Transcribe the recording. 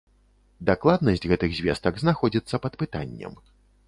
Дакладнасць гэтых звестак знаходзіцца пад пытаннем.